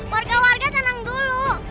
warga warga tenang dulu